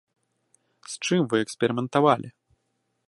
З чым вы эксперыментавалі?